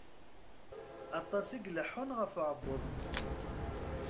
Aṭas i ileḥḥun ɣef uεebbuḍ-nsen.